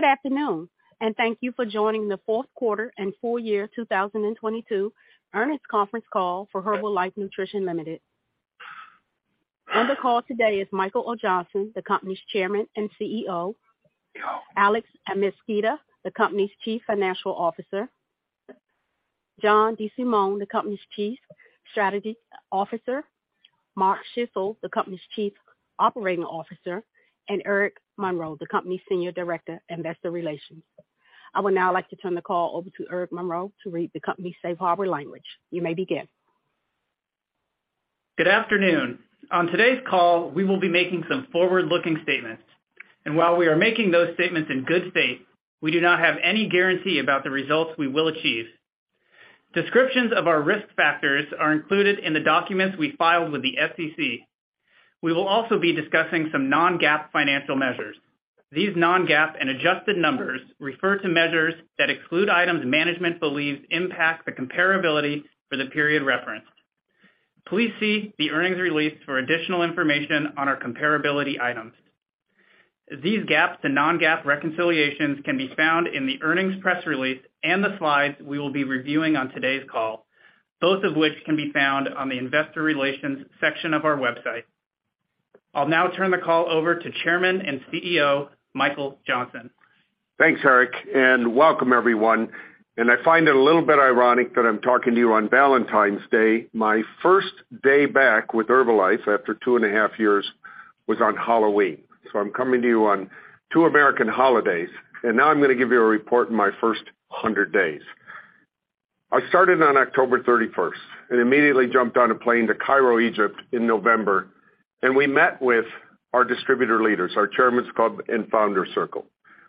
Good afternoon, and thank you for joining the 4th quarter and full year 2022 earnings conference call for Herbalife Nutrition Limited. On the call today is Michael O. Johnson, the company's Chairman and CEO. Alex Amezquita, the company's Chief Financial Officer. John DeSimone, the company's Chief Strategy Officer. Mark Schissel, the company's Chief Operating Officer, and Eric Monroe, the company's Senior Director, Investor Relations. I would now like to turn the call over to Eric Monroe to read the company's safe harbor language. You may begin. Good afternoon. On today's call, we will be making some forward-looking statements. While we are making those statements in good faith, we do not have any guarantee about the results we will achieve. Descriptions of our risk factors are included in the documents we filed with the SEC. We will also be discussing some non-GAAP financial measures. These non-GAAP and adjusted numbers refer to measures that exclude items management believes impact the comparability for the period referenced. Please see the earnings release for additional information on our comparability items. These GAAP to non-GAAP reconciliations can be found in the earnings press release and the slides we will be reviewing on today's call, both of which can be found on the investor relations section of our website. I'll now turn the call over to Chairman and CEO, Michael Johnson. Thanks, Eric. Welcome everyone. I find it a little bit ironic that I'm talking to you on Valentine's Day. My first day back with Herbalife after two and a half years was on Halloween. I'm coming to you on two American holidays, and now I'm gonna give you a report in my first 100 days. I started on October 31st and immediately jumped on a plane to Cairo, Egypt in November. We met with our distributor leaders, our Chairman's Club and Founder's Circle.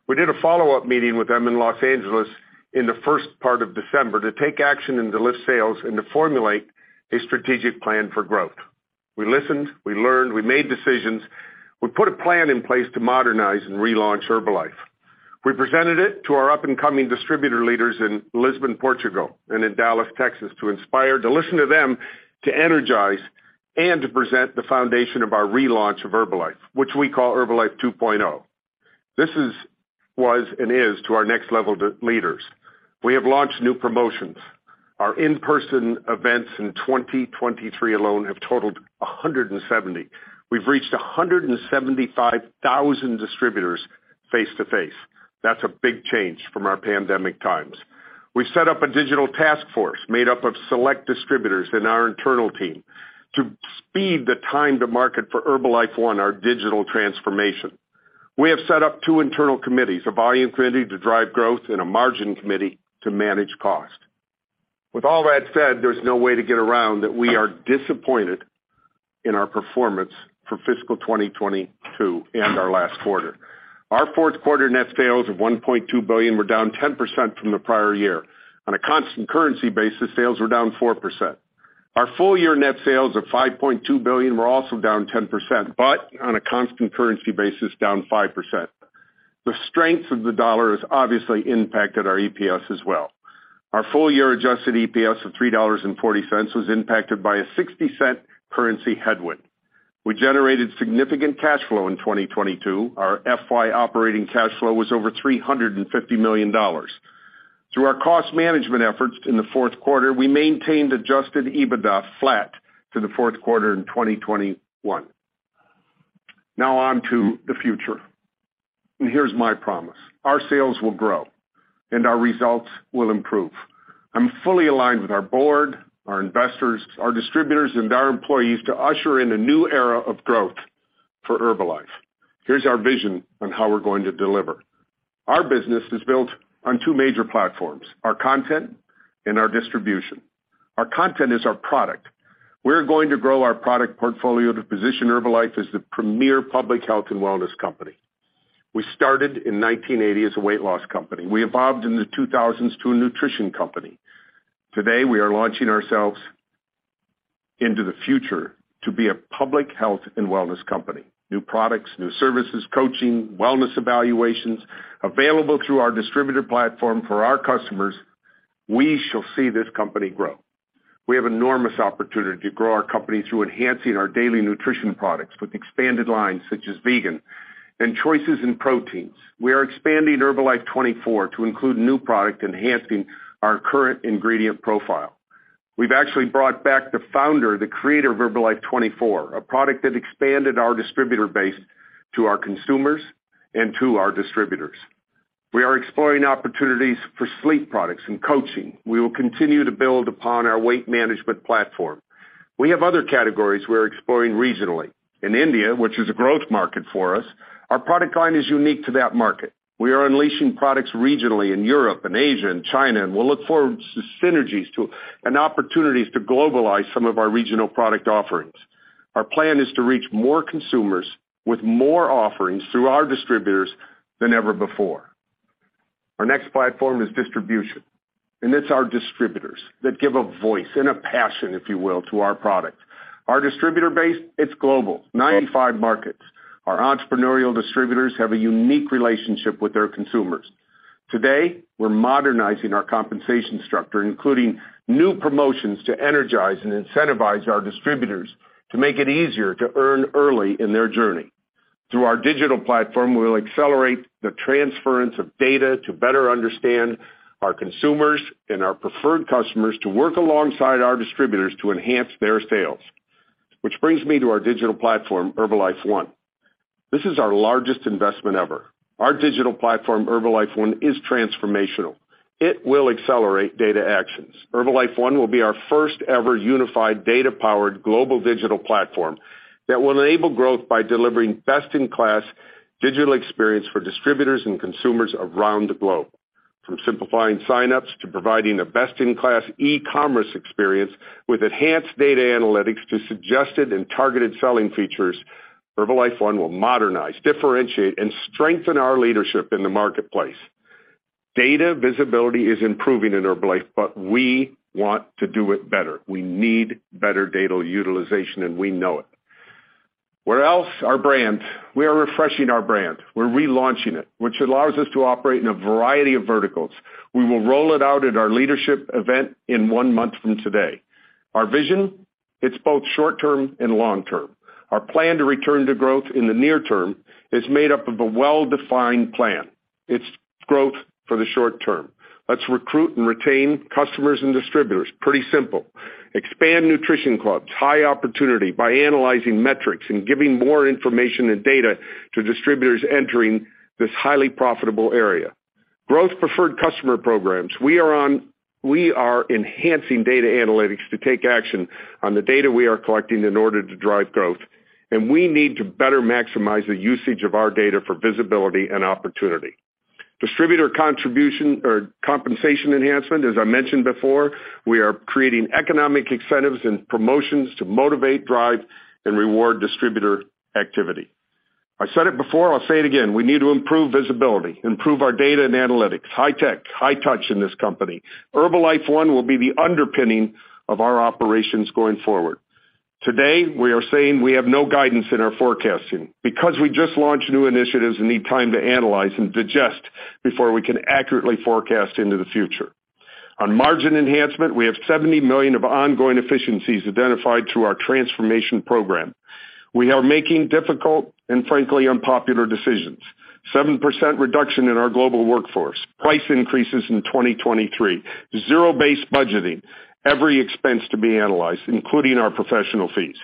We did a follow-up meeting with them in Los Angeles in the first part of December to take action and to lift sales and to formulate a strategic plan for growth. We listened, we learned, we made decisions. We put a plan in place to modernize and relaunch Herbalife. We presented it to our up-and-coming distributor leaders in Lisbon, Portugal, and in Dallas, Texas, to inspire, to listen to them, to energize and to present the foundation of our relaunch of Herbalife, which we call Herbalife 2.0. This is, was and is to our next level of leaders. We have launched new promotions. Our in-person events in 2023 alone have totaled 170. We've reached 175,000 distributors face to face. That's a big change from our pandemic times. We've set up a digital task force made up of select distributors in our internal team to speed the time to market for Herbalife One, our digital transformation. We have set up two internal committees, a volume committee to drive growth and a margin committee to manage cost. With all that said, there's no way to get around that we are disappointed in our performance for fiscal 2022 and our last quarter. Our fourth quarter net sales of $1.2 billion were down 10% from the prior year. On a constant currency basis, sales were down 4%. Our full year net sales of $5.2 billion were also down 10%, but on a constant currency basis, down 5%. The strength of the dollar has obviously impacted our EPS as well. Our full year adjusted EPS of $3.40 was impacted by a $0.60 currency headwind. We generated significant cash flow in 2022. Our FY operating cash flow was over $350 million. Through our cost management efforts in the fourth quarter, we maintained adjusted EBITDA flat to the fourth quarter in 2021. Now on to the future. Here's my promise. Our sales will grow and our results will improve. I'm fully aligned with our board, our investors, our distributors, and our employees to usher in a new era of growth for Herbalife. Here's our vision on how we're going to deliver. Our business is built on two major platforms, our content and our distribution. Our content is our product. We're going to grow our product portfolio to position Herbalife as the premier public health and wellness company. We started in 1980 as a weight loss company. We evolved in the 2000s to a nutrition company. Today, we are launching ourselves into the future to be a public health and wellness company. New products, new services, coaching, wellness evaluations available through our distributor platform for our customers. We shall see this company grow. We have enormous opportunity to grow our company through enhancing our daily nutrition products with expanded lines such as vegan and choices in proteins. We are expanding Herbalife24 to include new product, enhancing our current ingredient profile. We've actually brought back the founder, the creator of Herbalife24, a product that expanded our distributor base to our consumers and to our distributors. We are exploring opportunities for sleep products and coaching. We will continue to build upon our weight management platform. We have other categories we're exploring regionally. In India, which is a growth market for us, our product line is unique to that market. We are unleashing products regionally in Europe and Asia and China, and we'll look for synergies and opportunities to globalize some of our regional product offerings. Our plan is to reach more consumers with more offerings through our distributors than ever before. Our next platform is distribution. It's our distributors that give a voice and a passion, if you will, to our products. Our distributor base, it's global, 95 markets. Our entrepreneurial distributors have a unique relationship with their consumers. Today, we're modernizing our compensation structure, including new promotions to energize and incentivize our distributors to make it easier to earn early in their journey. Through our digital platform, we'll accelerate the transference of data to better understand our consumers and our Preferred Customers to work alongside our distributors to enhance their sales. Which brings me to our digital platform, Herbalife One. This is our largest investment ever. Our digital platform, Herbalife One, is transformational. It will accelerate data actions. Herbalife One will be our first-ever unified data-powered global digital platform that will enable growth by delivering best-in-class digital experience for distributors and consumers around the globe. From simplifying sign-ups to providing a best-in-class e-commerce experience with enhanced data analytics to suggested and targeted selling features, Herbalife One will modernize, differentiate, and strengthen our leadership in the marketplace. Data visibility is improving in Herbalife. We want to do it better. We need better data utilization. We know it. What else? Our brand. We are refreshing our brand. We're relaunching it, which allows us to operate in a variety of verticals. We will roll it out at our leadership event in one month from today. Our vision, it's both short term and long term. Our plan to return to growth in the near term is made up of a well-defined plan. It's growth for the short term. Let's recruit and retain customers and distributors. Pretty simple. Expand Nutrition Clubs, high opportunity by analyzing metrics and giving more information and data to distributors entering this highly profitable area. Growth Preferred Customer programs. We are enhancing data analytics to take action on the data we are collecting in order to drive growth. We need to better maximize the usage of our data for visibility and opportunity. Distributor contribution or compensation enhancement, as I mentioned before, we are creating economic incentives and promotions to motivate, drive, and reward distributor activity. I said it before, I'll say it again, we need to improve visibility, improve our data and analytics, high tech, high touch in this company. Herbalife One will be the underpinning of our operations going forward. Today, we are saying we have no guidance in our forecasting because we just launched new initiatives and need time to analyze and digest before we can accurately forecast into the future. On margin enhancement, we have $70 million of ongoing efficiencies identified through our transformation program. We are making difficult and frankly unpopular decisions. 7% reduction in our global workforce, price increases in 2023, zero-based budgeting, every expense to be analyzed, including our professional fees.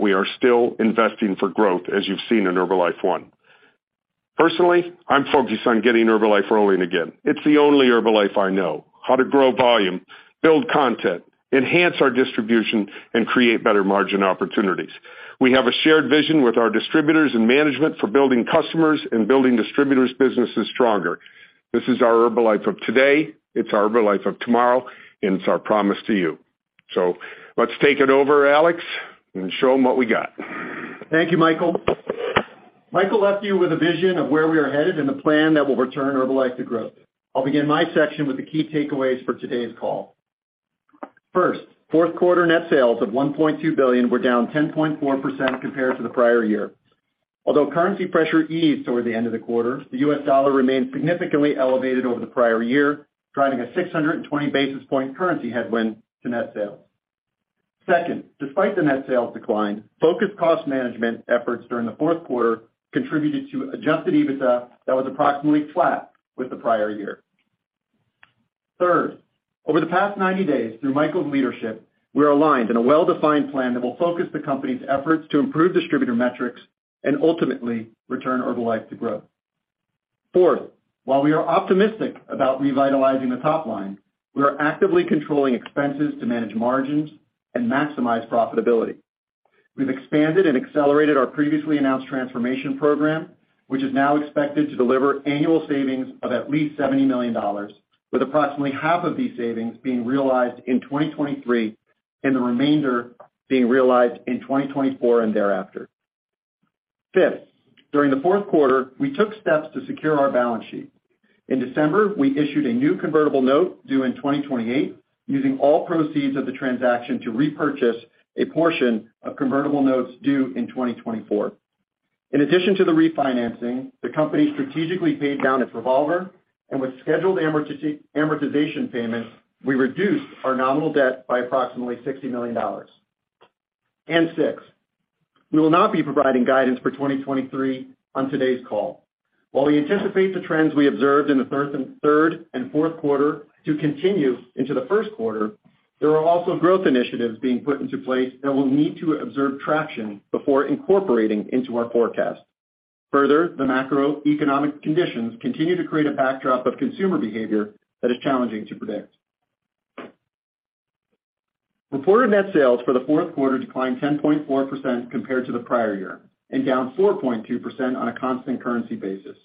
We are still investing for growth, as you've seen in Herbalife One. Personally, I'm focused on getting Herbalife rolling again. It's the only Herbalife I know. How to grow volume, build content, enhance our distribution, and create better margin opportunities. We have a shared vision with our distributors and management for building customers and building distributors' businesses stronger. This is our Herbalife of today, it's our Herbalife of tomorrow, and it's our promise to you. Let's take it over, Alex, and show them what we got. Thank you, Michael. Michael left you with a vision of where we are headed and a plan that will return Herbalife to growth. I'll begin my section with the key takeaways for today's call. First, fourth quarter net sales of $1.2 billion were down 10.4% compared to the prior year. Although currency pressure eased toward the end of the quarter, the US dollar remained significantly elevated over the prior year, driving a 620 basis point currency headwind to net sales. Second, despite the net sales decline, focused cost management efforts during the fourth quarter contributed to adjusted EBITDA that was approximately flat with the prior year. Third, over the past 90 days, through Michael's leadership, we're aligned in a well-defined plan that will focus the company's efforts to improve distributor metrics and ultimately return Herbalife to growth. Fourth, while we are optimistic about revitalizing the top line, we are actively controlling expenses to manage margins and maximize profitability. We've expanded and accelerated our previously announced transformation program, which is now expected to deliver annual savings of at least $70 million, with approximately half of these savings being realized in 2023 and the remainder being realized in 2024 and thereafter. Fifth, during the fourth quarter, we took steps to secure our balance sheet. In December, we issued a new convertible note due in 2028 using all proceeds of the transaction to repurchase a portion of convertible notes due in 2024. In addition to the refinancing, the company strategically paid down its revolver and with scheduled amortization payments, we reduced our nominal debt by approximately $60 million. Six, we will not be providing guidance for 2023 on today's call. While we anticipate the trends we observed in the third and fourth quarter to continue into the first quarter, there are also growth initiatives being put into place that will need to observe traction before incorporating into our forecast. The macroeconomic conditions continue to create a backdrop of consumer behavior that is challenging to predict. Reported net sales for the fourth quarter declined 10.4% compared to the prior year and down 4.2% on a constant currency basis.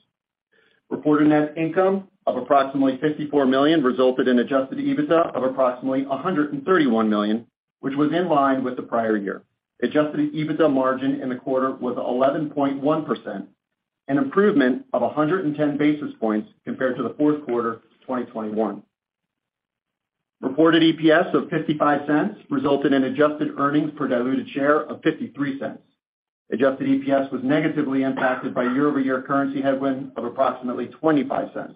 Reported net income of approximately $54 million resulted in adjusted EBITDA of approximately $131 million, which was in line with the prior year. Adjusted EBITDA margin in the quarter was 11.1%, an improvement of 110 basis points compared to the fourth quarter of 2021. Reported EPS of $0.55 resulted in adjusted earnings per diluted share of $0.53. Adjusted EPS was negatively impacted by year-over-year currency headwind of approximately $0.25.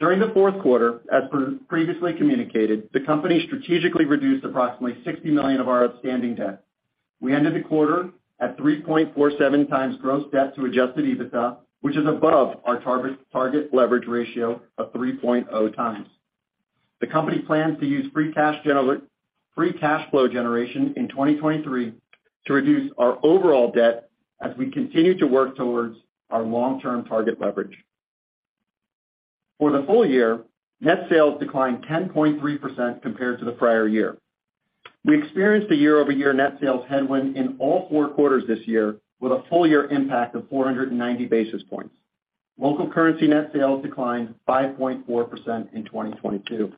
During the fourth quarter, as previously communicated, the company strategically reduced approximately $60 million of our outstanding debt. We ended the quarter at 3.47 times gross debt to adjusted EBITDA, which is above our target leverage ratio of 3.0x. The company plans to use free cash flow generation in 2023 to reduce our overall debt as we continue to work towards our long-term target leverage. For the full year, net sales declined 10.3% compared to the prior year. We experienced a year-over-year net sales headwind in all four quarters this year with a full year impact of 490 basis points. Local currency net sales declined 5.4% in 2022.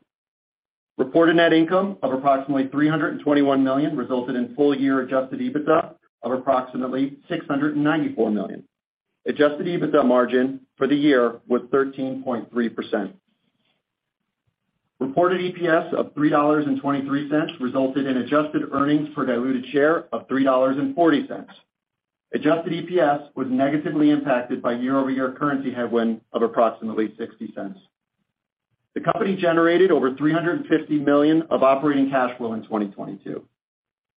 Reported net income of approximately $321 million resulted in full year adjusted EBITDA of approximately $694 million. Adjusted EBITDA margin for the year was 13.3%. Reported EPS of $3.23 resulted in adjusted earnings per diluted share of $3.40. Adjusted EPS was negatively impacted by year-over-year currency headwind of approximately $0.60. The company generated over $350 million of operating cash flow in 2022.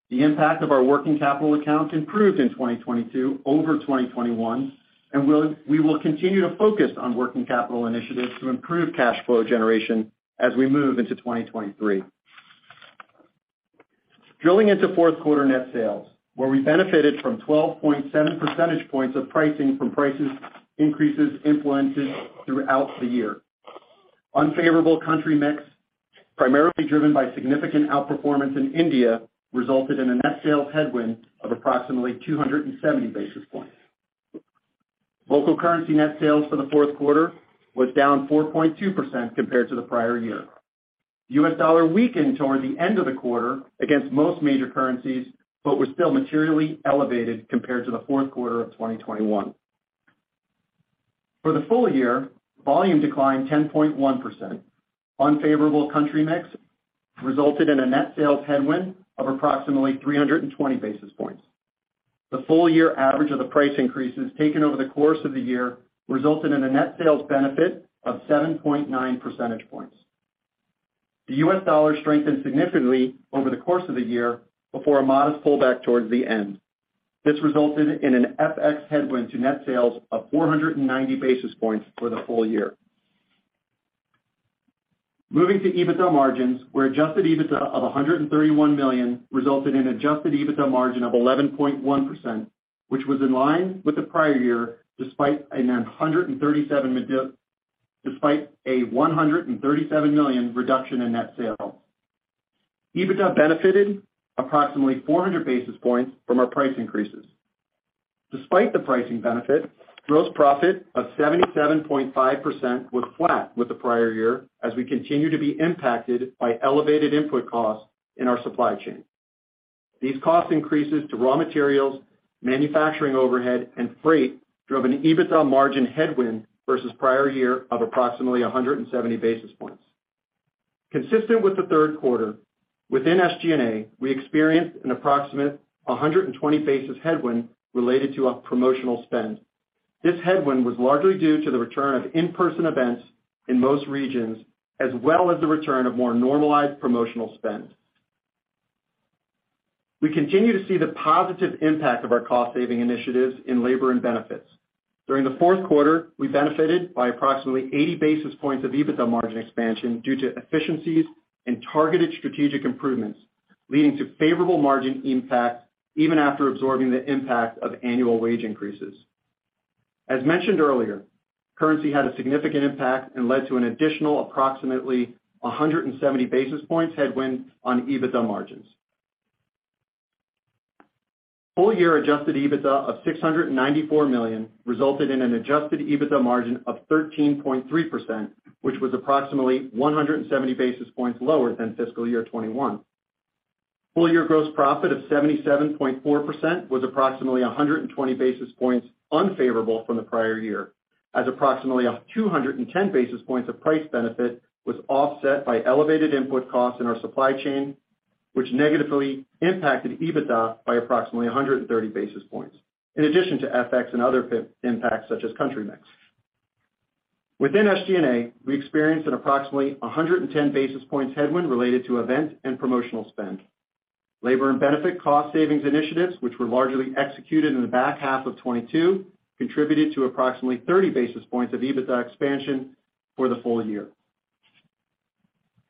The impact of our working capital accounts improved in 2022 over 2021, and we will continue to focus on working capital initiatives to improve cash flow generation as we move into 2023. Drilling into fourth quarter net sales, where we benefited from 12.7 percentage points of pricing from prices increases implemented throughout the year. Unfavorable country mix, primarily driven by significant outperformance in India, resulted in a net sales headwind of approximately 270 basis points. Local currency net sales for the fourth quarter was down 4.2% compared to the prior year. U.S. dollar weakened toward the end of the quarter against most major currencies, but were still materially elevated compared to the fourth quarter of 2021. For the full year, volume declined 10.1%. Unfavorable country mix resulted in a net sales headwind of approximately 320 basis points. The full year average of the price increases taken over the course of the year resulted in a net sales benefit of 7.9 percentage points. The U.S. dollar strengthened significantly over the course of the year before a modest pullback towards the end. This resulted in an FX headwind to net sales of 490 basis points for the full year. Moving to EBITDA margins, where adjusted EBITDA of $131 million resulted in adjusted EBITDA margin of 11.1%, which was in line with the prior year, despite a $137 million reduction in net sales. EBITDA benefited approximately 400 basis points from our price increases. Despite the pricing benefit, gross profit of 77.5% was flat with the prior year as we continue to be impacted by elevated input costs in our supply chain. These cost increases to raw materials, manufacturing overhead, and freight drove an EBITDA margin headwind versus prior year of approximately 170 basis points. Consistent with the third quarter, within SG&A, we experienced an approximate 120 basis headwind related to a promotional spend. This headwind was largely due to the return of in-person events in most regions, as well as the return of more normalized promotional spend. We continue to see the positive impact of our cost-saving initiatives in labor and benefits. During the fourth quarter, we benefited by approximately 80 basis points of EBITDA margin expansion due to efficiencies and targeted strategic improvements, leading to favorable margin impact even after absorbing the impact of annual wage increases. As mentioned earlier, currency had a significant impact and led to an additional approximately 170 basis points headwind on EBITDA margins. Full year adjusted EBITDA of $694 million resulted in an adjusted EBITDA margin of 13.3%, which was approximately 170 basis points lower than fiscal year 2021. Full year gross profit of 77.4% was approximately 120 basis points unfavorable from the prior year, as approximately 210 basis points of price benefit was offset by elevated input costs in our supply chain, which negatively impacted EBITDA by approximately 130 basis points, in addition to FX and other impacts such as country mix. Within SG&A, we experienced an approximately 110 basis points headwind related to event and promotional spend. Labor and benefit cost savings initiatives, which were largely executed in the back half of 2022, contributed to approximately 30 basis points of EBITDA expansion for the full year.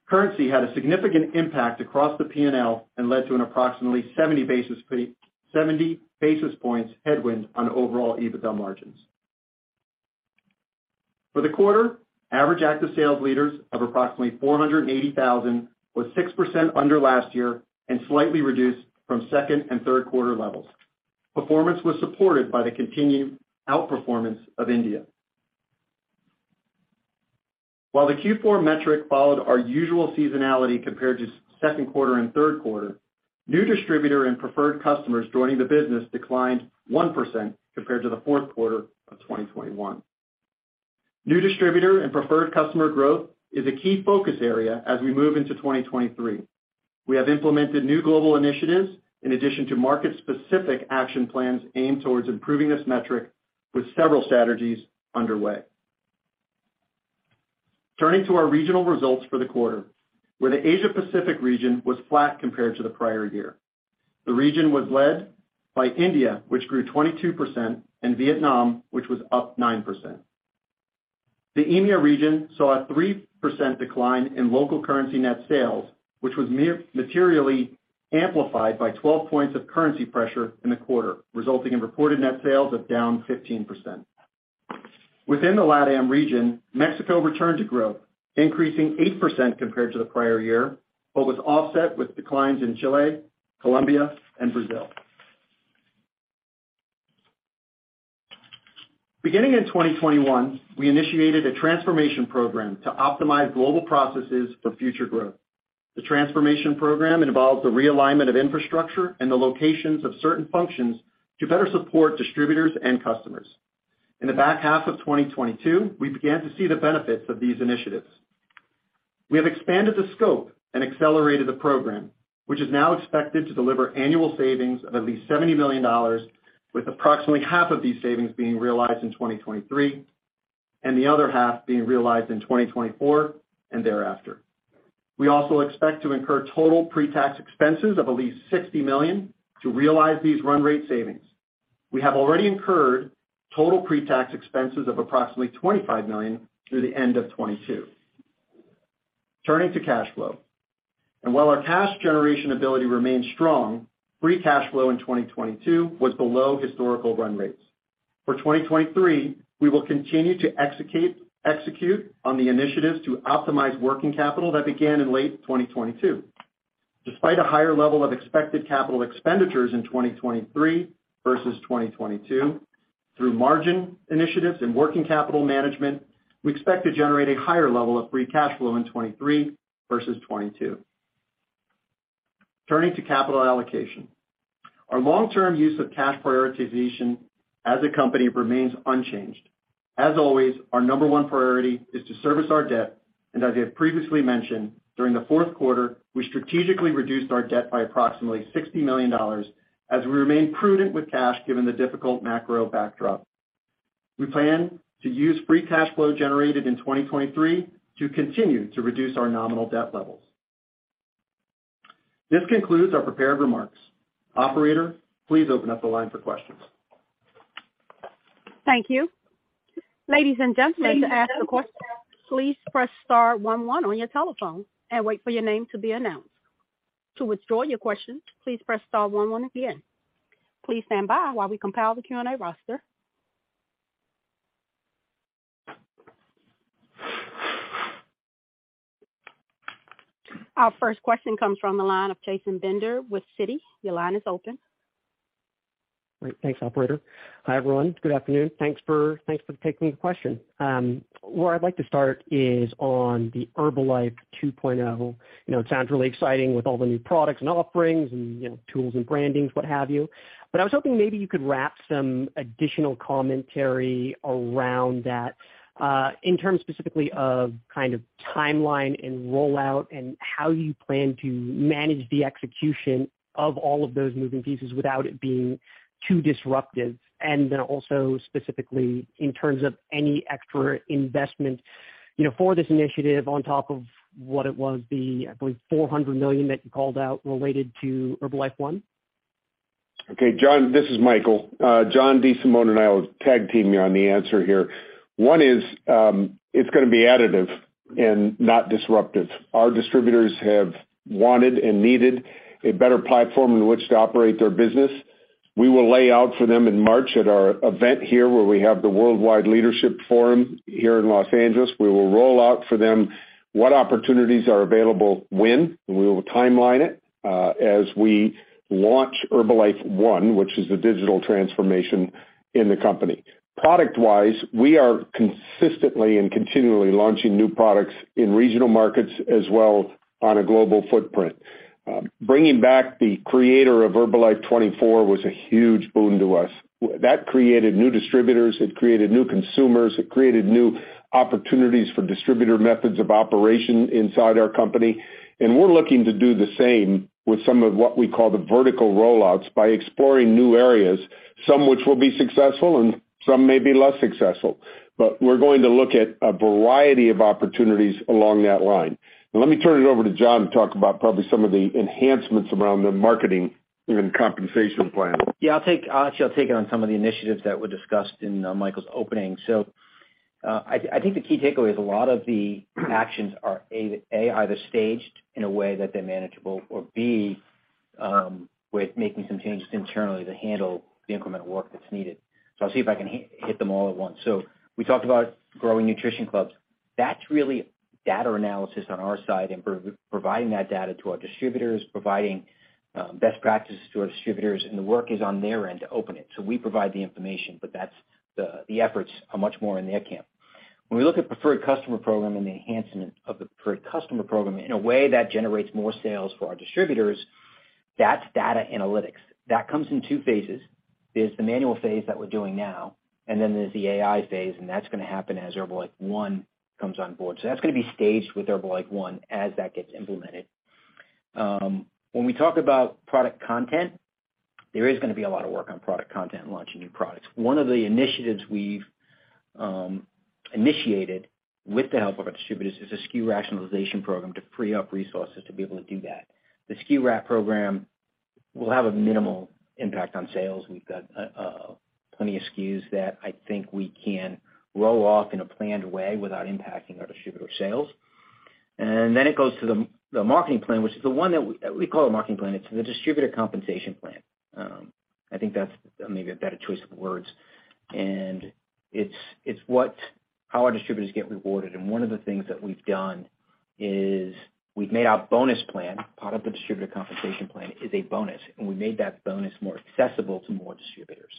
Currency had a significant impact across the P&L and led to an approximately 70 basis points headwind on overall EBITDA margins. For the quarter, Average Active Sales Leaders of approximately 480,000 was 6% under last year and slightly reduced from second quarter and third quarter levels. Performance was supported by the continued outperformance of India. While the Q4 metric followed our usual seasonality compared to second quarter and third quarter, new distributor and Preferred Customers joining the business declined 1% compared to the fourth quarter of 2021. New distributor and Preferred Customer growth is a key focus area as we move into 2023. We have implemented new global initiatives in addition to market-specific action plans aimed towards improving this metric with several strategies underway. Turning to our regional results for the quarter, where the Asia Pacific region was flat compared to the prior year. The region was led by India, which grew 22%, and Vietnam, which was up 9%. The EMEA region saw a 3% decline in local currency net sales, which was materially amplified by 12 points of currency pressure in the quarter, resulting in reported net sales of down 15%. Within the LATAM region, Mexico returned to growth, increasing 8% compared to the prior year, but was offset with declines in Chile, Colombia and Brazil. Beginning in 2021, we initiated a transformation program to optimize global processes for future growth. The transformation program involves the realignment of infrastructure and the locations of certain functions to better support distributors and customers. In the back half of 2022, we began to see the benefits of these initiatives. We have expanded the scope and accelerated the program, which is now expected to deliver annual savings of at least $70 million, with approximately half of these savings being realized in 2023, and the other half being realized in 2024 and thereafter. We also expect to incur total pre-tax expenses of at least $60 million to realize these run rate savings. We have already incurred total pre-tax expenses of approximately $25 million through the end of 2022. Turning to cash flow. While our cash generation ability remains strong, free cash flow in 2022 was below historical run rates. For 2023, we will continue to execute on the initiatives to optimize working capital that began in late 2022. Despite a higher level of expected CapEx in 2023 versus 2022, through margin initiatives and working capital management, we expect to generate a higher level of free cash flow in 23 versus 22. Turning to capital allocation. Our long-term use of cash prioritization as a company remains unchanged. As always, our number one priority is to service our debt, and as I have previously mentioned, during the fourth quarter, we strategically reduced our debt by approximately $60 million as we remain prudent with cash given the difficult macro backdrop. We plan to use free cash flow generated in 2023 to continue to reduce our nominal debt levels. This concludes our prepared remarks. Operator, please open up the line for questions. Thank you. Ladies and gentlemen, to ask a question, please press star one one on your telephone and wait for your name to be announced. To withdraw your question, please press star one one again. Please stand by while we compile the Q&A roster. Our first question comes from the line of Chasen Bender with Citi. Your line is open. Great. Thanks, operator. Hi, everyone. Good afternoon. Thanks for taking the question. Where I'd like to start is on the Herbalife 2.0. You know, it sounds really exciting with all the new products and offerings and, you know, tools and brandings, what have you. I was hoping maybe you could wrap some additional commentary around that in terms specifically of kind of timeline and rollout and how you plan to manage the execution of all of those moving pieces without it being too disruptive. Then also specifically in terms of any extra investment, you know, for this initiative on top of what it was the, I believe, $400 million that you called out related to Herbalife One. Okay, John, this is Michael. John DeSimone and I will tag team you on the answer here. One is, it's gonna be additive and not disruptive. Our distributors have wanted and needed a better platform in which to operate their business. We will lay out for them in March at our event here, where we have the Worldwide Leadership Forum here in Los Angeles. We will roll out for them what opportunities are available when, and we will timeline it as we launch Herbalife One, which is the digital transformation in the company. Product-wise, we are consistently and continually launching new products in regional markets as well on a global footprint. Bringing back the creator of Herbalife24 was a huge boon to us. That created new distributors, it created new consumers, it created new opportunities for distributor methods of operation inside our company. We're looking to do the same with some of what we call the vertical rollouts by exploring new areas, some which will be successful and some may be less successful. We're going to look at a variety of opportunities along that line. Let me turn it over to John to talk about probably some of the enhancements around the marketing and compensation plan. Yeah, I'll take, I'll actually take it on some of the initiatives that were discussed in Michael's opening. I think the key takeaway is a lot of the actions are A, either staged in a way that they're manageable or B, with making some changes internally to handle the incremental work that's needed. I'll see if I can hit them all at once. We talked about growing Nutrition Clubs. That's really data analysis on our side and providing that data to our distributors, providing best practices to our distributors, and the work is on their end to open it. We provide the information, but that's the efforts are much more in their camp. When we look at Preferred Customer program and the enhancement of the Preferred Customer program in a way that generates more sales for our distributors That's data analytics. That comes in two phases. There's the manual phase that we're doing now, and then there's the AI phase, and that's going to happen as Herbalife One comes on board. That's going to be staged with Herbalife One as that gets implemented. When we talk about product content, there is going to be a lot of work on product content and launching new products. One of the initiatives we've initiated with the help of our distributors is a SKU rationalization program to free up resources to be able to do that. The SKU rat program will have a minimal impact on sales. We've got plenty of SKUs that I think we can roll off in a planned way without impacting our distributor sales. Then it goes to the marketing plan, which is the one that we call it marketing plan. It's the distributor compensation plan. I think that's maybe a better choice of words. It's how our distributors get rewarded. One of the things that we've done is we've made our bonus plan, part of the distributor compensation plan is a bonus, and we made that bonus more accessible to more distributors.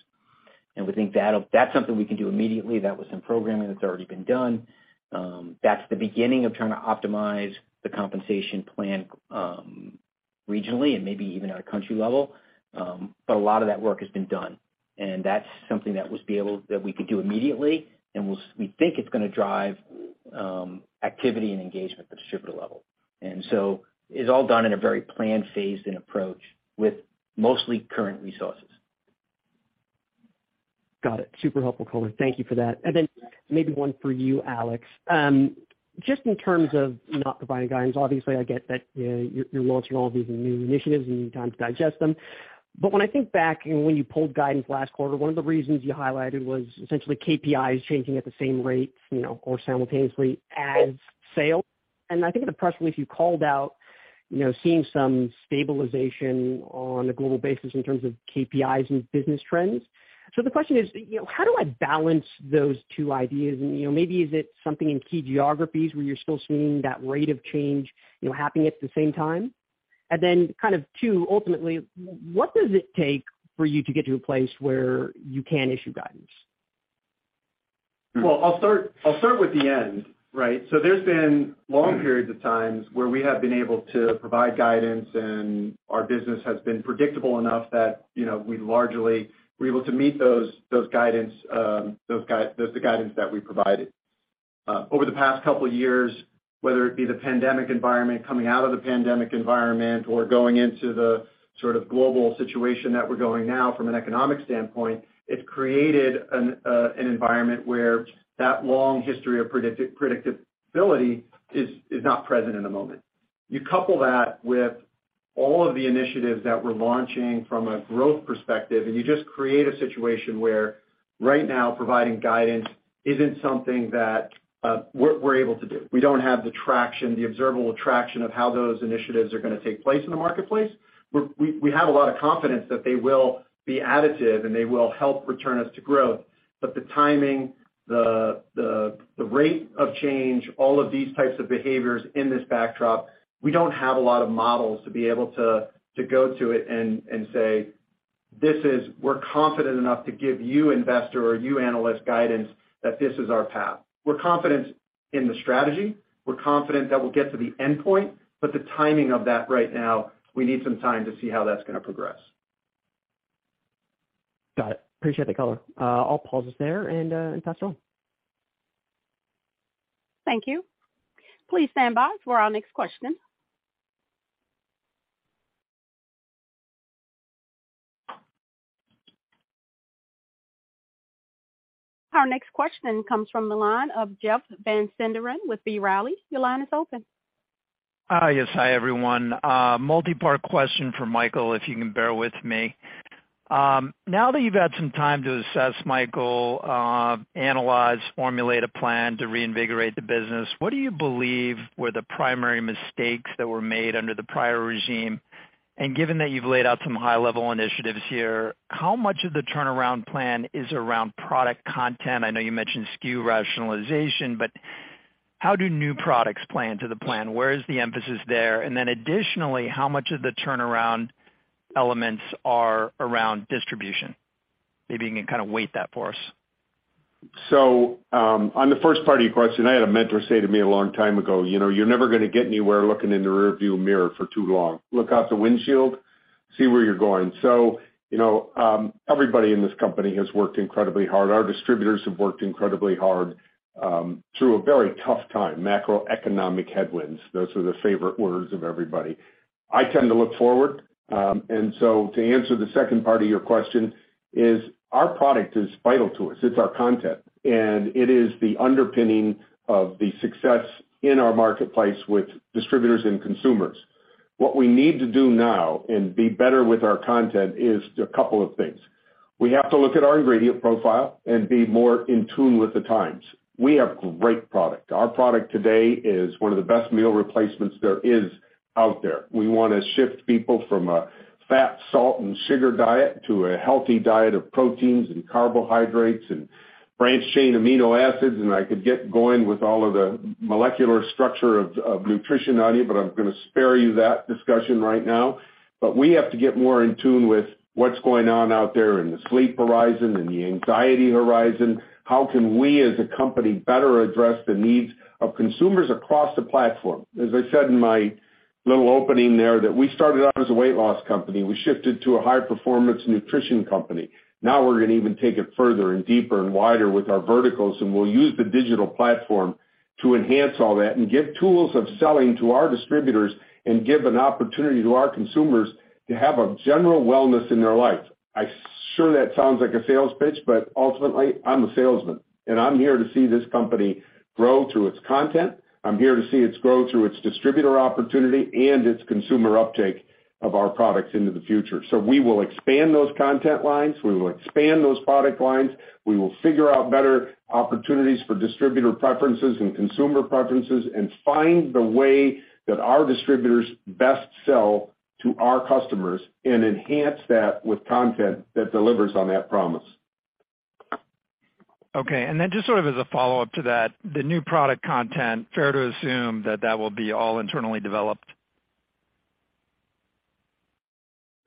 We think that's something we can do immediately. That was some programming that's already been done. That's the beginning of trying to optimize the compensation plan, regionally and maybe even at a country level. A lot of that work has been done, and that's something that we could do immediately. We think it's gonna drive activity and engagement at the distributor level. It's all done in a very planned, phased, and approached with mostly current resources. Got it. Super helpful color. Thank you for that. Then maybe one for you, Alex. Just in terms of not providing guidance, obviously I get that, you know, you're launching all these new initiatives, you need time to digest them. When I think back and when you pulled guidance last quarter, one of the reasons you highlighted was essentially KPIs changing at the same rate, you know, or simultaneously as sales. I think in the press release you called out, you know, seeing some stabilization on a global basis in terms of KPIs and business trends. The question is, you know, how do I balance those two ideas? Maybe is it something in key geographies where you're still seeing that rate of change, you know, happening at the same time? Then kind of two, Ultimately, what does it take for you to get to a place where you can issue guidance? I'll start with the end, right? There's been long periods of times where we have been able to provide guidance and our business has been predictable enough that, you know, we largely were able to meet those guidance that we provided. Over the past couple years, whether it be the pandemic environment, coming out of the pandemic environment, or going into the sort of global situation that we're going now from an economic standpoint, it's created an environment where that long history of predictability is not present in the moment. You couple that with all of the initiatives that we're launching from a growth perspective, you just create a situation where right now providing guidance isn't something that we're able to do. We don't have the traction, the observable traction of how those initiatives are gonna take place in the marketplace. We have a lot of confidence that they will be additive and they will help return us to growth. The timing, the rate of change, all of these types of behaviors in this backdrop, we don't have a lot of models to be able to go to it and say, "We're confident enough to give you, investor or you, analyst, guidance that this is our path." We're confident in the strategy. We're confident that we'll get to the endpoint, but the timing of that right now, we need some time to see how that's gonna progress. Got it. Appreciate the color. I'll pause this there and pass it on. Thank you. Please stand by for our next question. Our next question comes from the line of Jeff Van Sinderen with B. Riley. Your line is open. Hi. Yes. Hi, everyone. Multi-part question for Michael, if you can bear with me. Now that you've had some time to assess, Michael, analyze, formulate a plan to reinvigorate the business, what do you believe were the primary mistakes that were made under the prior regime? Given that you've laid out some high-level initiatives here, how much of the turnaround plan is around product content? I know you mentioned SKU rationalization, but how do new products play into the plan? Where is the emphasis there? Additionally, how much of the turnaround elements are around distribution? Maybe you can kind of weight that for us. On the first part of your question, I had a mentor say to me a long time ago, "You know, you're never gonna get anywhere looking in the rearview mirror for too long. Look out the windshield, see where you're going." Everybody in this company has worked incredibly hard. Our distributors have worked incredibly hard through a very tough time. Macroeconomic headwinds, those are the favorite words of everybody. I tend to look forward. To answer the second part of your question is our product is vital to us. It's our content. It is the underpinning of the success in our marketplace with distributors and consumers. What we need to do now and be better with our content is a couple of things. We have to look at our ingredient profile and be more in tune with the times. We have great product. Our product today is one of the best meal replacements there is out there. We wanna shift people from a fat, salt, and sugar diet to a healthy diet of proteins and carbohydrates and branched-chain amino acids, and I could get going with all of the molecular structure of nutrition on you, but I'm gonna spare you that discussion right now. We have to get more in tune with what's going on out there in the sleep horizon, in the anxiety horizon. How can we as a company better address the needs of consumers across the platform? As I said in my. Little opening there that we started out as a weight loss company. We shifted to a high performance nutrition company. Now we're gonna even take it further and deeper and wider with our verticals, and we'll use the digital platform to enhance all that and give tools of selling to our distributors and give an opportunity to our consumers to have a general wellness in their life. Sure that sounds like a sales pitch, but ultimately, I'm a salesman, and I'm here to see this company grow through its content. I'm here to see its grow through its distributor opportunity and its consumer uptake of our products into the future. We will expand those content lines, we will expand those product lines. We will figure out better opportunities for distributor preferences and consumer preferences and find the way that our distributors best sell to our customers and enhance that with content that delivers on that promise. Okay. Just sort of as a follow-up to that, the new product content, fair to assume that that will be all internally developed?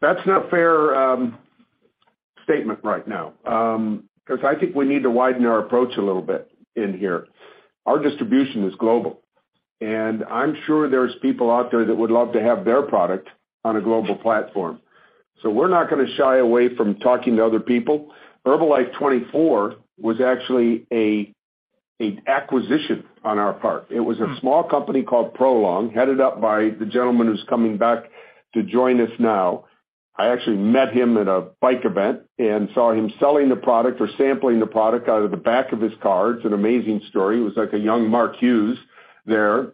That's not fair statement right now, 'cause I think we need to widen our approach a little bit in here. Our distribution is global, and I'm sure there's people out there that would love to have their product on a global platform. We're not gonna shy away from talking to other people. Herbalife24 was actually an acquisition on our part. It was a small company called Prolong, headed up by the gentleman who's coming back to join us now. I actually met him at a bike event and saw him selling the product or sampling the product out of the back of his car. It's an amazing story. He was like a young Mark Hughes there.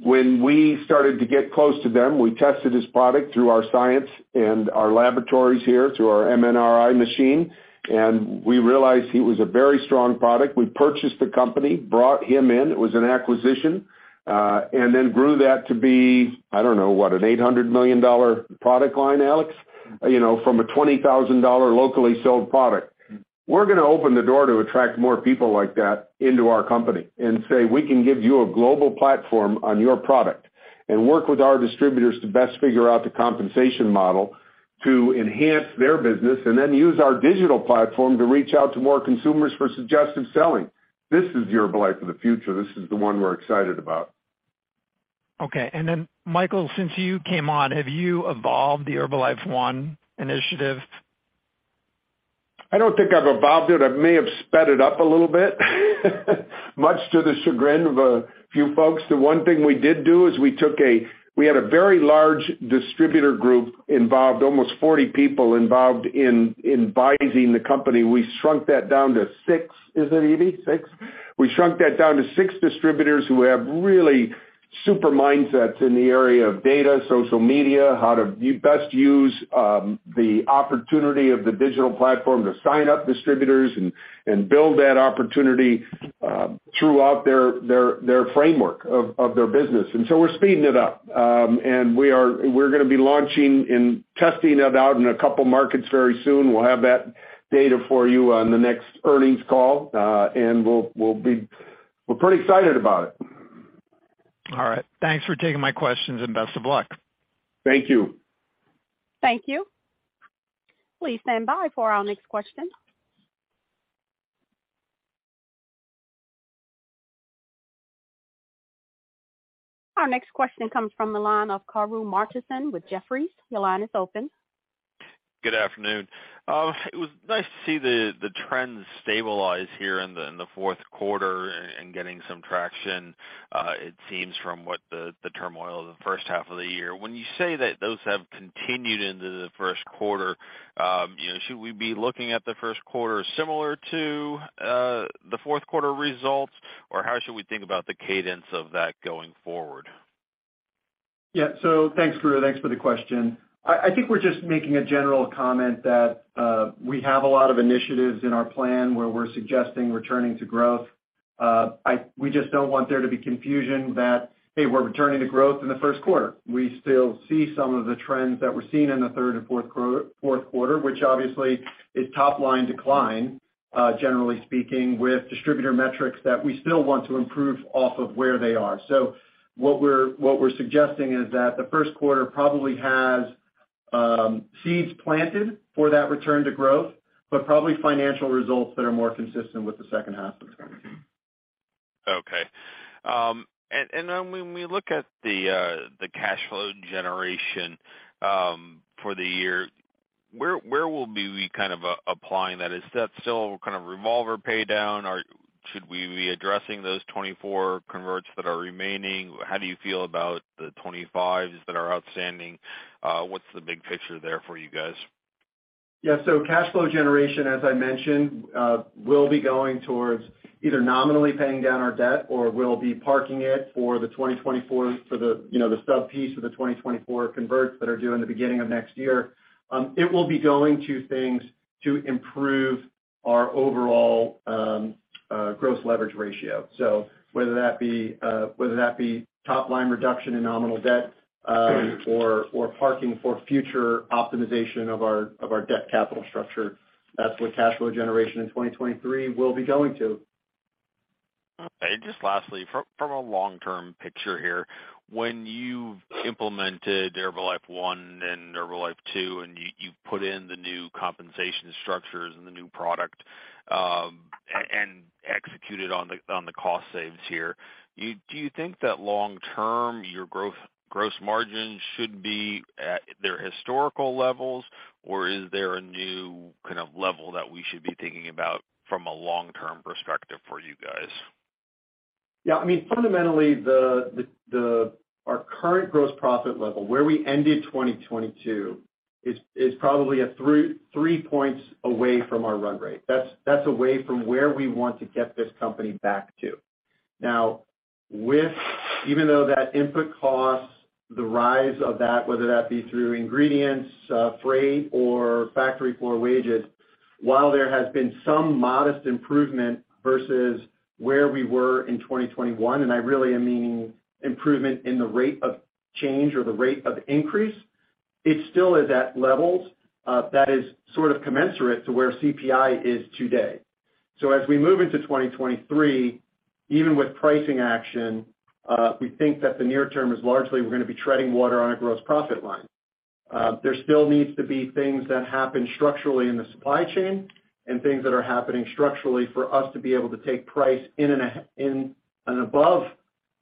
When we started to get close to them, we tested his product through our science and our laboratories here, through our NMR machine, and we realized he was a very strong product. We purchased the company, brought him in. It was an acquisition, and then grew that to be, I don't know, what, an $800 million product line, Alex? You know, from a $20,000 locally sold product. We're gonna open the door to attract more people like that into our company and say, "We can give you a global platform on your product," and work with our distributors to best figure out the compensation model to enhance their business, and then use our digital platform to reach out to more consumers for suggestive selling. This is the Herbalife of the future. This is the one we're excited about. Okay. Michael, since you came on, have you evolved the Herbalife One initiative? I don't think I've evolved it. I may have sped it up a little bit, much to the chagrin of a few folks. The one thing we did do is we had a very large distributor group involved, almost 40 people involved in advising the company. We shrunk that down to six. Is it, Edie? six? We shrunk that down to six distributors who have really super mindsets in the area of data, social media, how to best use the opportunity of the digital platform to sign up distributors and build that opportunity throughout their framework of their business. We're speeding it up. We're gonna be launching and testing it out in a couple markets very soon. We'll have that data for you on the next earnings call, and we'll be... We're pretty excited about it. All right. Thanks for taking my questions and best of luck. Thank you. Thank you. Please stand by for our next question. Our next question comes from the line of Karru Martinson with Jefferies. Your line is open. Good afternoon. It was nice to see the trends stabilize here in the fourth quarter and getting some traction, it seems from what the turmoil of the first half of the year. When you say that those have continued into the first quarter, you know, should we be looking at the first quarter similar to the fourth quarter results? How should we think about the cadence of that going forward? Thanks, Karru. Thanks for the question. I think we're just making a general comment that we have a lot of initiatives in our plan where we're suggesting returning to growth. We just don't want there to be confusion that, hey, we're returning to growth in the first quarter. We still see some of the trends that we're seeing in the third and fourth quarter, which obviously is top line decline, generally speaking, with distributor metrics that we still want to improve off of where they are. What we're suggesting is that the first quarter probably has seeds planted for that return to growth, but probably financial results that are more consistent with the second half of the company. Okay. When we look at the cash flow generation for the year, where will we be kind of applying that? Is that still kind of revolver pay down or should we be addressing those 2024 converts that are remaining? How do you feel about the 2025s that are outstanding? What's the big picture there for you guys? Cash flow generation, as I mentioned, will be going towards either nominally paying down our debt or we'll be parking it for the, you know, the sub piece of the 2024 converts that are due in the beginning of next year. It will be going to things to improve our overall gross leverage ratio. Whether that be, whether that be top line reduction in nominal debt, or parking for future optimization of our debt capital structure, that's what cash flow generation in 2023 will be going to. Just lastly, from a long-term picture here, when you've implemented Herbalife One and Herbalife Two, and you put in the new compensation structures and the new product, and executed on the cost saves here, do you think that long term, your gross margins should be at their historical levels? Or is there a new kind of level that we should be thinking about from a long-term perspective for you guys? Yeah. I mean, fundamentally our current gross profit level, where we ended 2022 is probably 3 points away from our run rate. That's away from where we want to get this company back to. Even though that input costs, the rise of that, whether that be through ingredients, freight or factory floor wages, while there has been some modest improvement versus where we were in 2021, and I really am meaning improvement in the rate of change or the rate of increase, it still is at levels that is sort of commensurate to where CPI is today. As we move into 2023, even with pricing action, we think that the near term is largely we're gonna be treading water on a gross profit line. There still needs to be things that happen structurally in the supply chain and things that are happening structurally for us to be able to take price in and above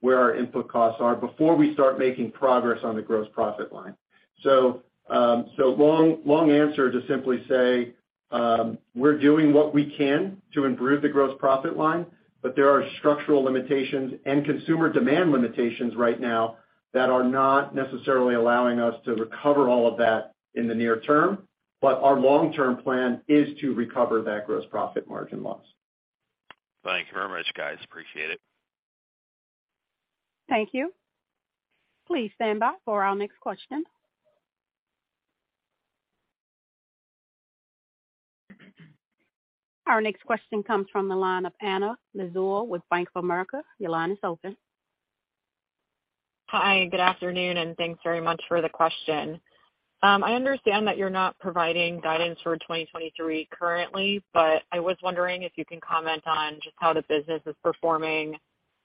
where our input costs are before we start making progress on the gross profit line. Long, long answer to simply say, we're doing what we can to improve the gross profit line, but there are structural limitations and consumer demand limitations right now that are not necessarily allowing us to recover all of that in the near term. Our long-term plan is to recover that gross profit margin loss. Thank you very much, guys. Appreciate it. Thank you. Please stand by for our next question. Our next question comes from the line of Anna Lizzul with Bank of America. Your line is open. Hi, good afternoon, and thanks very much for the question. I understand that you're not providing guidance for 2023 currently, but I was wondering if you can comment on just how the business is performing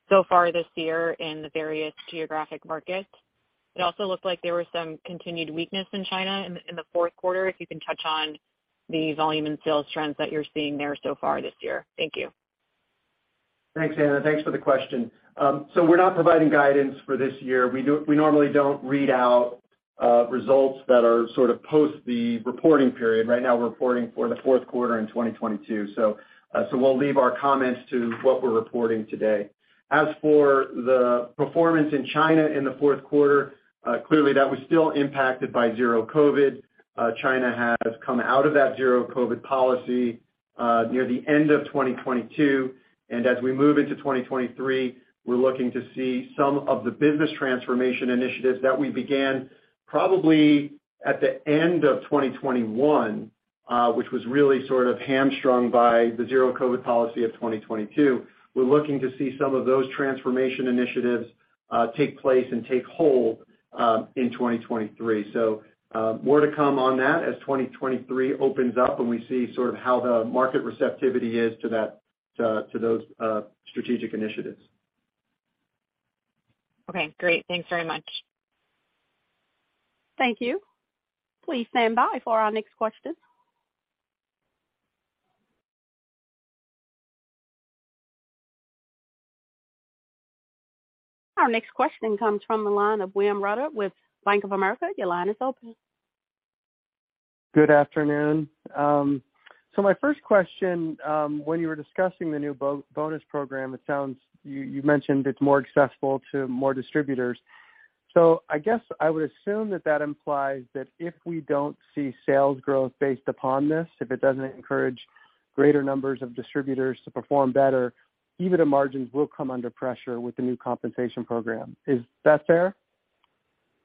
so far this year in the various geographic markets. It also looked like there was some continued weakness in China in the fourth quarter. If you can touch on the volume and sales trends that you're seeing there so far this year. Thank you. Thanks, Anna. Thanks for the question. we're not providing guidance for this year. We normally don't read out results that are sort of post the reporting period. Right now, we're reporting for the fourth quarter in 2022. So we'll leave our comments to what we're reporting today. As for the performance in China in the fourth quarter, clearly that was still impacted by zero COVID. China has come out of that zero COVID policy near the end of 2022, and as we move into 2023, we're looking to see some of the business transformation initiatives that we began probably at the end of 2021, which was really sort of hamstrung by the zero COVID policy of 2022. We're looking to see some of those transformation initiatives, take place and take hold, in 2023. More to come on that as 2023 opens up and we see sort of how the market receptivity is to those, strategic initiatives. Okay. Great. Thanks very much. Thank you. Please stand by for our next question. Our next question comes from the line of William Reuter with Bank of America. Your line is open. Good afternoon. My first question, when you were discussing the new bonus program, you mentioned it's more accessible to more distributors. I guess I would assume that that implies that if we don't see sales growth based upon this, if it doesn't encourage greater numbers of distributors to perform better, even the margins will come under pressure with the new compensation program. Is that fair?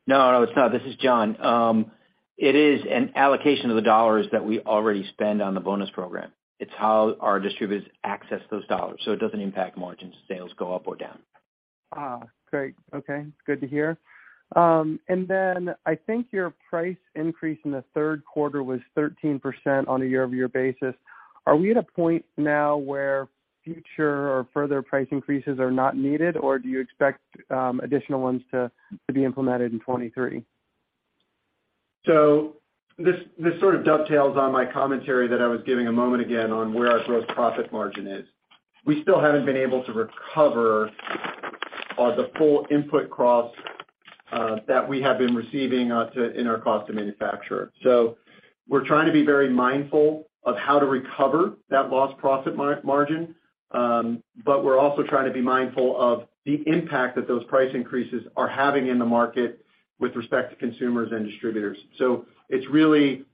No, no, it's not. This is John. It is an allocation of the dollars that we already spend on the bonus program. It's how our distributors access those dollars, so it doesn't impact margins, sales go up or down. Great. Okay. Good to hear. I think your price increase in the third quarter was 13% on a year-over-year basis. Are we at a point now where future or further price increases are not needed, or do you expect additional ones to be implemented in 2023? This sort of dovetails on my commentary that I was giving a moment again on where our gross profit margin is. We still haven't been able to recover the full input costs that we have been receiving in our cost to manufacture. We're trying to be very mindful of how to recover that lost profit margin, but we're also trying to be mindful of the impact that those price increases are having in the market with respect to consumers and distributors. It's really,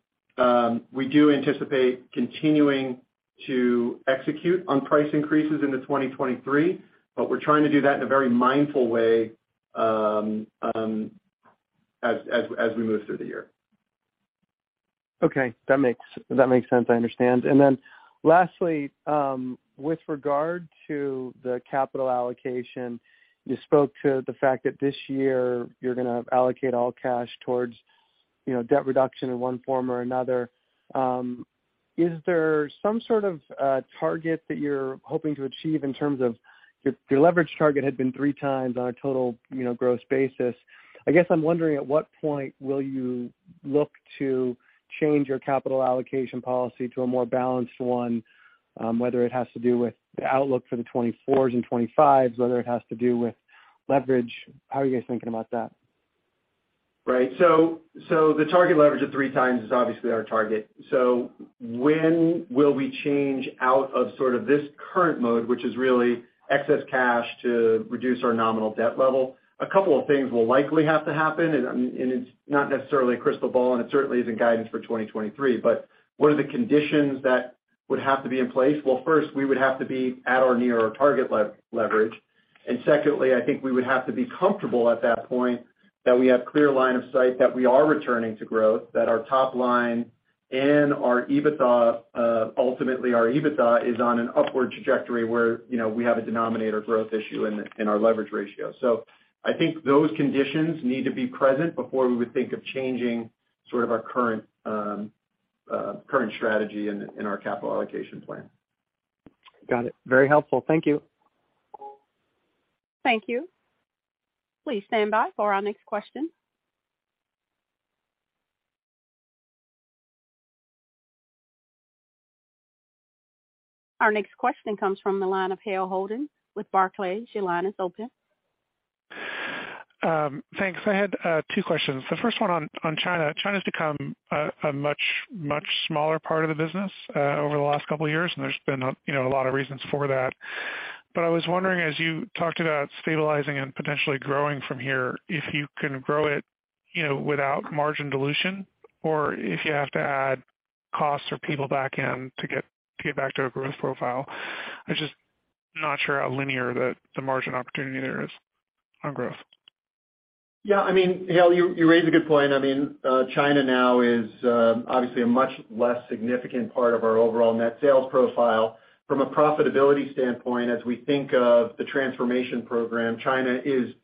we do anticipate continuing to execute on price increases into 2023, but we're trying to do that in a very mindful way as we move through the year. Okay. That makes sense. I understand. Lastly, with regard to the capital allocation, you spoke to the fact that this year you're gonna allocate all cash towards debt reduction in one form or another. Is there some sort of target that you're hoping to achieve in terms of your leverage target had been 3 times on a total gross basis? I guess I'm wondering, at what point will you look to change your capital allocation policy to a more balanced one? Whether it has to do with the outlook for the 2024s and 2025s, whether it has to do with leverage. How are you guys thinking about that? The target leverage of 3x is obviously our target. So when will we change out of sort of this current mode, which is really excess cash to reduce our nominal debt level? A couple of things will likely have to happen, and it's not necessarily a crystal ball, and it certainly isn't guidance for 2023, but what are the conditions that would have to be in place? Well, first, we would have to be at or near our target leverage. Secondly, I think we would have to be comfortable at that point that we have clear line of sight that we are returning to growth, that our top line and our EBITDA, ultimately our EBITDA is on an upward trajectory where, you know, we have a denominator growth issue in our leverage ratio. I think those conditions need to be present before we would think of changing sort of our current strategy in our capital allocation plan. Got it. Very helpful. Thank you. Thank you. Please stand by for our next question. Our next question comes from the line of Hale Holden with Barclays. Your line is open. Thanks. I had two questions. The first one on China. China's become a much, much smaller part of the business over the last couple of years, and there's been, you know, a lot of reasons for that. I was wondering, as you talked about stabilizing and potentially growing from here, if you can grow it, you know, without margin dilution or if you have to add costs or people back in to get back to a growth profile. I'm just not sure how linear the margin opportunity there is on growth. Yeah, I mean, Hale, you raise a good point. I mean, China now is obviously a much less significant part of our overall net sales profile. From a profitability standpoint, as we think of the transformation program, China is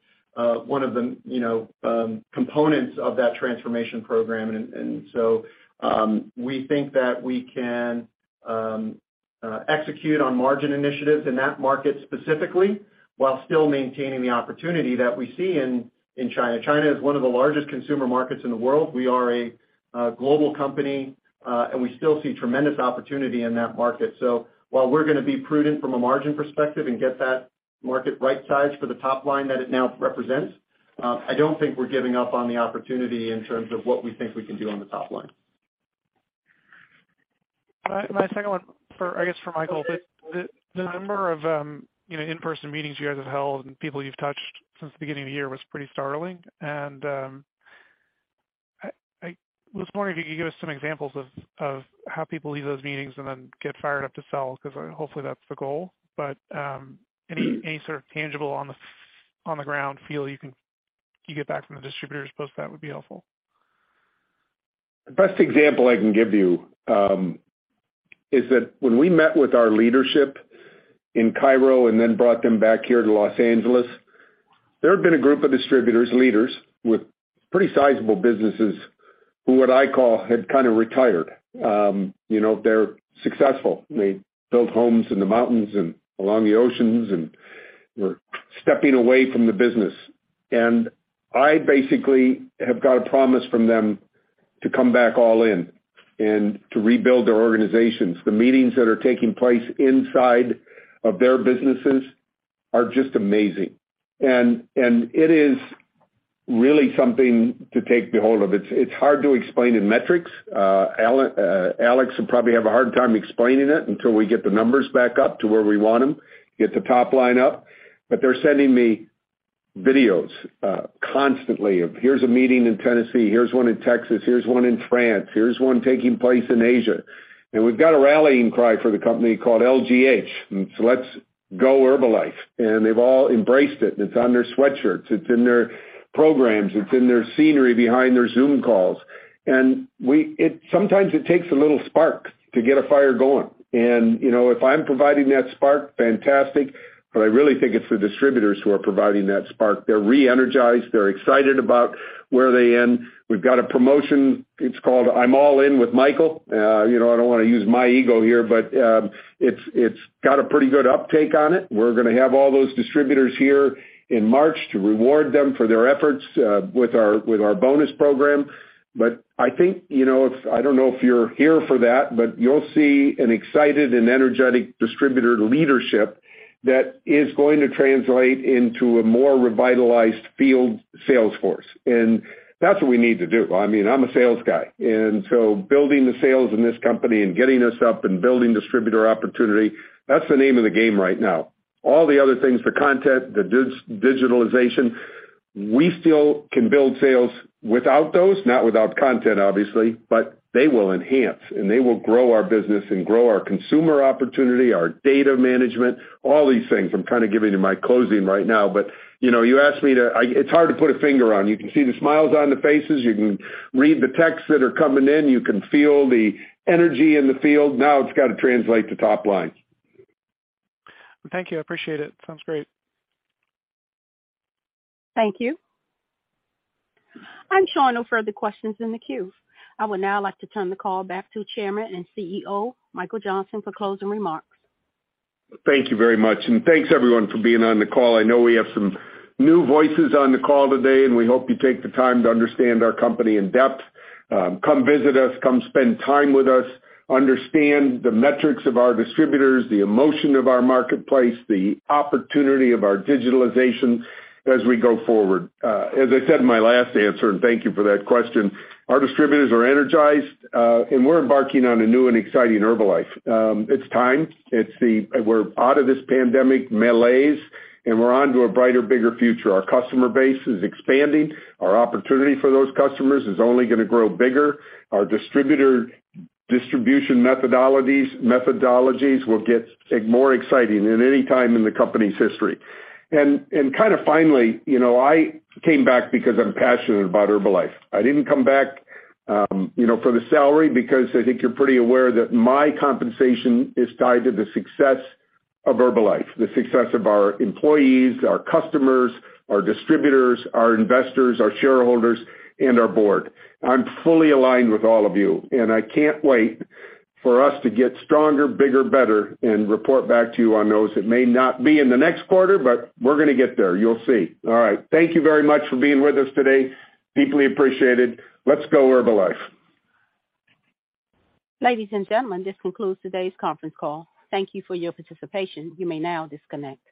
one of the, you know, components of that transformation program. We think that we can execute on margin initiatives in that market specifically while still maintaining the opportunity that we see in China. China is one of the largest consumer markets in the world. We are a global company, and we still see tremendous opportunity in that market. While we're gonna be prudent from a margin perspective and get that market right sized for the top line that it now represents, I don't think we're giving up on the opportunity in terms of what we think we can do on the top line. My second one for, I guess, for Michael. The number of, you know, in-person meetings you guys have held and people you've touched since the beginning of the year was pretty startling. I was wondering if you could give us some examples of how people leave those meetings and then get fired up to sell, 'cause hopefully that's the goal. Any sort of tangible on the ground feel you get back from the distributors post that would be helpful. The best example I can give you, is that when we met with our leadership in Cairo and then brought them back here to Los Angeles, there had been a group of distributors, leaders with pretty sizable businesses who what I call had kinda retired. you know, they're successful. They built homes in the mountains and along the oceans and were stepping away from the business. I basically have got a promise from them to come back all in and to rebuild their organizations. The meetings that are taking place inside of their businesses are just amazing. It is really something to take behold of. It's hard to explain in metrics. Alex will probably have a hard time explaining it until we get the numbers back up to where we want them, get the top line up. They're sending me videos, constantly of here's a meeting in Tennessee, here's one in Texas, here's one in France, here's one taking place in Asia. We've got a rallying cry for the company called LGH, so Let's Go Herbalife. They've all embraced it, and it's on their sweatshirts, it's in their programs, it's in their scenery behind their Zoom calls. Sometimes it takes a little spark to get a fire going. You know, if I'm providing that spark, fantastic, but I really think it's the distributors who are providing that spark. They're re-energized. They're excited about where they end. We've got a promotion, it's called I'm All In with Michael. You know, I don't wanna use my ego here, but it's got a pretty good uptake on it. We're gonna have all those distributors here in March to reward them for their efforts with our bonus program. I think, you know, I don't know if you're here for that, you'll see an excited and energetic distributor leadership that is going to translate into a more revitalized field sales force. That's what we need to do. I mean, I'm a sales guy, building the sales in this company and getting us up and building distributor opportunity, that's the name of the game right now. All the other things, the content, the digitalization, we still can build sales without those, not without content, obviously, but they will enhance and they will grow our business and grow our consumer opportunity, our data management, all these things. I'm kinda giving you my closing right now, you know, you asked me to... It's hard to put a finger on. You can see the smiles on the faces. You can read the texts that are coming in. You can feel the energy in the field. It's gotta translate to top line. Thank you. I appreciate it. Sounds great. Thank you. I'm showing no further questions in the queue. I would now like to turn the call back to Chairman and CEO, Michael Johnson, for closing remarks. Thank you very much, and thanks everyone for being on the call. I know we have some new voices on the call today, and we hope you take the time to understand our company in depth. Come visit us. Come spend time with us. Understand the metrics of our distributors, the emotion of our marketplace, the opportunity of our digitalization as we go forward. As I said in my last answer, and thank you for that question, our distributors are energized, and we're embarking on a new and exciting Herbalife. It's time. We're out of this pandemic malaise, and we're onto a brighter, bigger future. Our customer base is expanding. Our opportunity for those customers is only gonna grow bigger. Our distributor distribution methodologies will get more exciting than any time in the company's history. Kind of finally, you know, I came back because I'm passionate about Herbalife. I didn't come back, you know, for the salary because I think you're pretty aware that my compensation is tied to the success of Herbalife, the success of our employees, our customers, our distributors, our investors, our shareholders, and our board. I'm fully aligned with all of you, and I can't wait for us to get stronger, bigger, better, and report back to you on those. It may not be in the next quarter, but we're gonna get there. You'll see. All right. Thank you very much for being with us today. Deeply appreciated. Let's go Herbalife. Ladies and gentlemen, this concludes today's conference call. Thank you for your participation. You may now disconnect.